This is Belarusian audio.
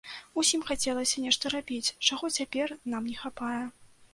Усім хацелася нешта рабіць, чаго цяпер нам не хапае.